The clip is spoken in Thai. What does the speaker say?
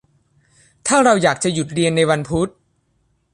ถ้าเราอยากจะหยุดเรียนในวันพุธ